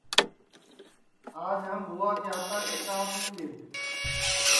آج ہم بھوا کے ہاتا کی چاں پیوں گے